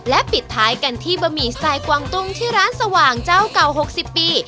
ปิดท้ายกันที่บะหมี่สไตล์กวางตุ้งที่ร้านสว่างเจ้าเก่า๖๐ปี